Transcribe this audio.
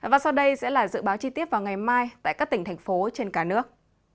và sau đây sẽ là dự báo chi tiết vào ngày mai tại các tỉnh thành phố trên cả nước